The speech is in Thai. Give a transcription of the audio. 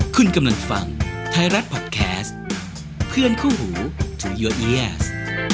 คุณกำลังฟังไทยรัฐพอดแคสต์เพื่อนเข้าหูถูย์ยอเอเอเอเอเอส